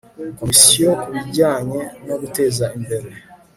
komisiyo ku bijyanye no guteza imbere